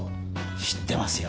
知ってますよ